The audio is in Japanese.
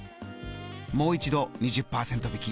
もう一度２０％引き。